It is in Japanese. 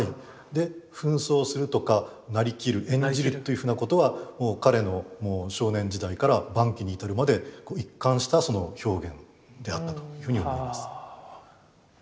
で扮装するとかなりきる演じるというふうなことはもう彼の少年時代から晩期に至るまで一貫した表現であったというふうに思います。